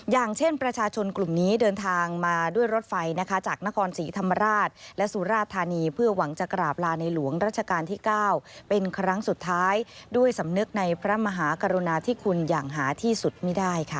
อย่างเช่นประชาชนกลุ่มนี้เดินทางมาด้วยรถไฟนะคะจากนครศรีธรรมราชและสุราธานีเพื่อหวังจะกราบลาในหลวงรัชกาลที่๙เป็นครั้งสุดท้ายด้วยสำนึกในพระมหากรุณาที่คุณอย่างหาที่สุดไม่ได้ค่ะ